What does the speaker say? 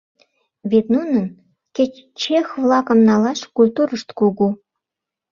Вет нунын, кеч чех-влакым налаш, культурышт кугу.